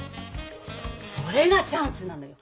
それがチャンスなのよ。